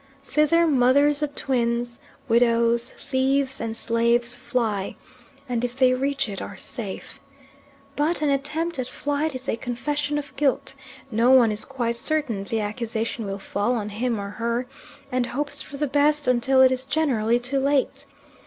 Thither mothers of twins, widows, thieves, and slaves fly, and if they reach it are safe. But an attempt at flight is a confession of guilt; no one is quite certain the accusation will fall on him, or her, and hopes for the best until it is generally too late.